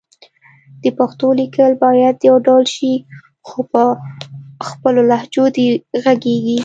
د پښتو لیکل باید يو ډول شي خو په خپلو لهجو دې غږېږي